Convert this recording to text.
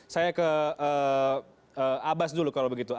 saya ke abbas dulu kalau begitu